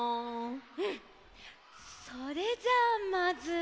うんそれじゃあまずは。